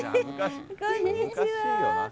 こんにちは。